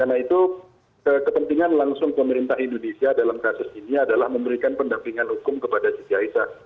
karena itu kepentingan langsung pemerintah indonesia dalam kasus ini adalah memberikan pendampingan hukum kepada siti aisyah